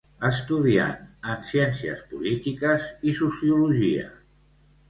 Estudiant en Ciències Polítiques i Sociologia.